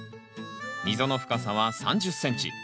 溝の深さは３０ｃｍ。